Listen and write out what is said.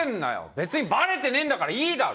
別にばれてねえんだからいいだろ！